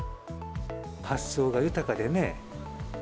発想が豊かでね。